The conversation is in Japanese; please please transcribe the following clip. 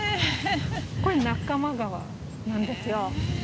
これ仲間川なんですよ。